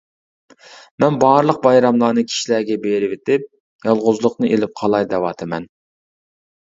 مەن بارلىق بايراملارنى كىشىلەرگە بېرىۋېتىپ، يالغۇزلۇقنى ئېلىپ قالاي دەۋاتىمەن.